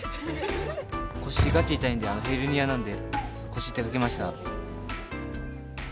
腰ガチ痛いんでヘルニアなんで「腰」って書きました。